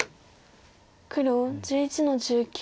黒１１の十九。